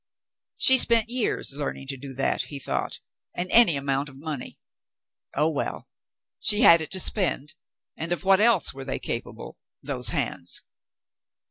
She spent years learning to do that, he thought, and any amount of money. Oh, well. She had it to spend, and of what else were they capable — those hands